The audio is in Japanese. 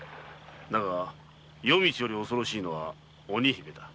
だが夜道より恐ろしいのは鬼姫だ。